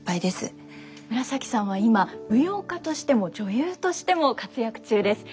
紫さんは今舞踊家としても女優としても活躍中です。